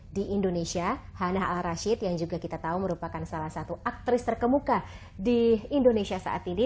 di indonesia hana al rashid yang juga kita tahu merupakan salah satu aktris terkemuka di indonesia saat ini